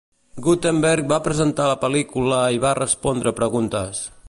Guttemberg va presentar la pel·lícula i va respondre preguntes.